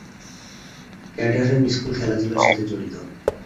Caterham school খেলাধুলার সাথে জড়িত।